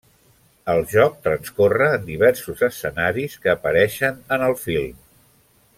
El joc transcorre en diversos escenaris que apareixen en el film.